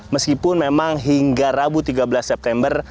meskipun memang hingga rabu tiga belas september